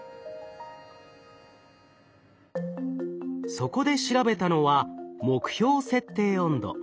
そこで調べたのは目標設定温度。